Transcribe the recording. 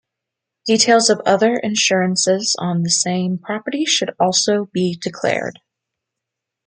Details of other insurances on the same property should also be declared.